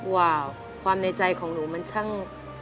ว้าวความในใจของหนูมันช่าง